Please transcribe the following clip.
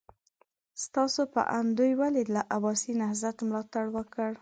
ستاسو په اند دوی ولې له عباسي نهضت ملاتړ وکړ؟